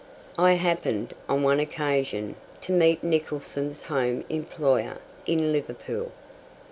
I happened, on one occasion, to meet Nicholson's home employer in Liverpool.